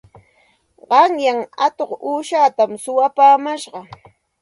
Qanyan atuq uushatam suwapaamash.